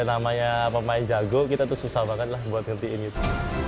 namanya pemain jago kita tuh susah banget lah buat ngertiin gitu